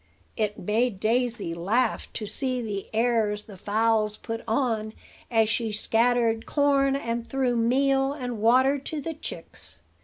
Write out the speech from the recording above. It made Daisy laugh to see the airs the fowls put on as she scattered corn, and threw meal and water to the chicks.